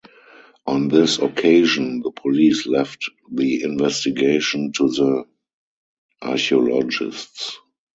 On this occasion, the police left the investigation to the archaeologists.